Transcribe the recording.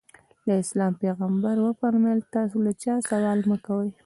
د اسلام پیغمبر وفرمایل تاسې له چا سوال مه کوئ.